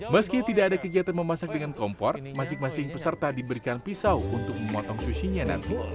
meski tidak ada kegiatan memasak dengan kompor masing masing peserta diberikan pisau untuk memotong sushinya nanti